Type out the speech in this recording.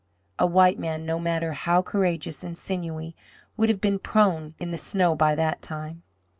A white man, no matter how courageous and sinewy, would have been prone in the snow by that time.